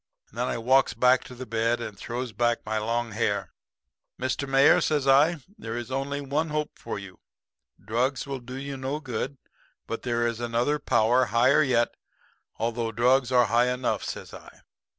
And then I walks back to the bed and throws back my long hair. "'Mr. Mayor,' says I, 'there is only one hope for you. Drugs will do you no good. But there is another power higher yet, although drugs are high enough,' says I.